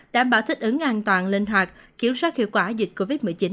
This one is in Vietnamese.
đảm bảo thích ứng an toàn linh hoạt kiểm soát hiệu quả dịch covid một mươi chín